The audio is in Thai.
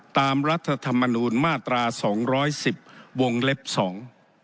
รัฐธรรมนูญมาตราสองร้อยสิบวงเล็บสอง